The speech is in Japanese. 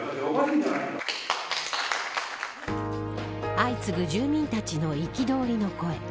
相次ぐ住民たちの憤りの声。